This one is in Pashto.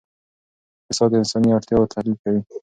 اقتصاد د انساني اړتیاوو تحلیل کوي.